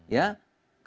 ya katakan tidak